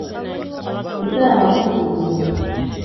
gutarama kw'iki gihe